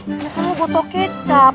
ya kan lo botol kecap